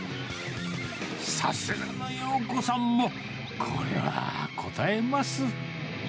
さすがの洋子さんも、これはこたえます。